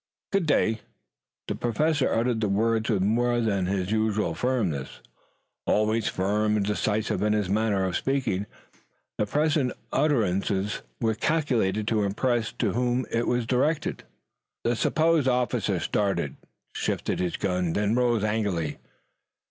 Good day." The Professor uttered the words with more than his usual firmness. Always firm and decisive in his manner of speaking, the present utterance was calculated to impress him to whom it was directed. The supposed officer started, shifted his gun, then rose angrily.